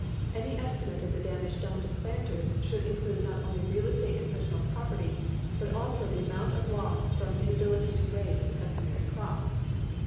Any estimate of the damage done to planters should include not only real estate and personal property, but also the amount of loss from inability to raise the customary crops.